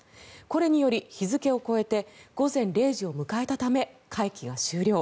これにより日付を超えて午前０時を迎えたため会期が終了。